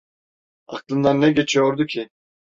Aklından ne geçiyordu ki?